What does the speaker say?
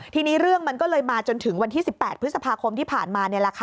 ทีนี้เรื่องมันก็เลยมาจนถึงวันที่๑๘พฤษภาคมที่ผ่านมา